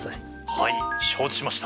はい承知しました！